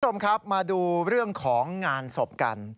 คุณผู้ชมครับมาดูเรื่องของงานศพกัน